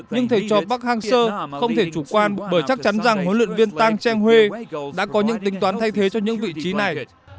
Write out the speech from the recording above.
nhưng thể cho bắc hang sơ không thể chủ quan bởi chắc chắn rằng huấn luyện viên tang cheng hue đã có những tính toán thay thế cho những vị trí này